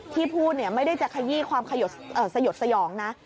ที่พูดไม่ได้จะขยี้ความสยดสยองนะ